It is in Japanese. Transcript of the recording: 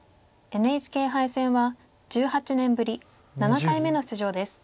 ＮＨＫ杯戦は１８年ぶり７回目の出場です。